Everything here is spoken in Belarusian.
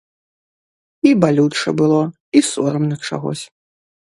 І балюча было, і сорамна чагось.